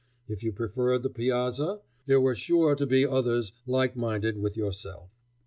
If you preferred the piazza, there were sure to be others like minded with yourself.